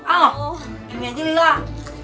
oh ini aja lah